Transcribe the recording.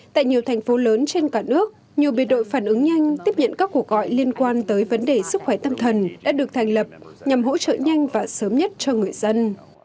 tại nhiều thành phố lớn trên cả nước nhiều biệt đội phản ứng nhanh tiếp nhận các cuộc gọi liên quan tới vấn đề sức khỏe tâm thần đã được thành lập nhằm hỗ trợ nhanh và sớm nhất cho người dân